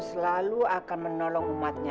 selalu akan menolong umatnya